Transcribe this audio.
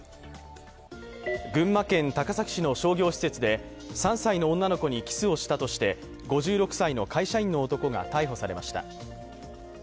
群馬県高崎市の商業施設で３歳の女の子にキスをしたとして５６歳の会社員の男が逮捕されました。